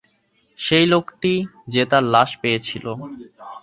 সেই লোকটি যে তার লাশ পেয়েছিলো।